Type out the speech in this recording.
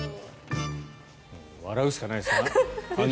笑うしかないですね。